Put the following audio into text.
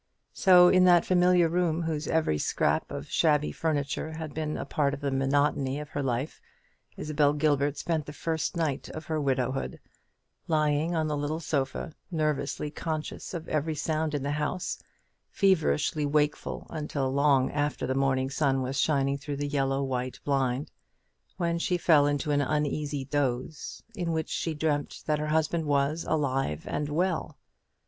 So in that familiar room, whose every scrap of shabby furniture had been a part of the monotony of her life, Isabel Gilbert spent the first night of her widowhood, lying on the little sofa, nervously conscious of every sound in the house; feverishly wakeful until long after the morning sun was shining through the yellow white blind, when she fell into an uneasy doze, in which she dreamt that her husband was alive and well.